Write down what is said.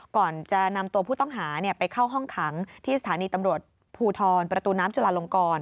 ก่อนจะนำตัวผู้ต้องหาไปเข้าห้องขังที่สถานีตำรวจภูทรประตูน้ำจุลาลงกร